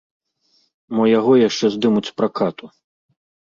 Мо яго яшчэ здымуць з пракату.